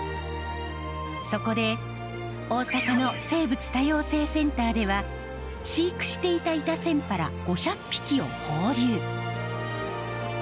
そこで大阪の生物多様性センターでは飼育していたイタセンパラ５００匹を放流。